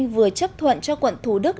vừa chấp thuận cho quận thủ đức